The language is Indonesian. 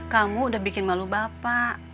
kamu udah bikin malu bapak